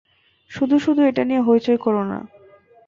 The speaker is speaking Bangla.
শুধু শুধু এটা নিয়ে হইচই করোনা।